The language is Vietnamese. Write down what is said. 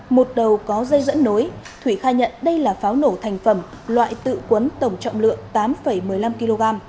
một đầu có dây dẫn nối thủy khai nhận đây là pháo nổ thành phẩm loại tự quấn tổng trọng lượng tám một mươi năm kg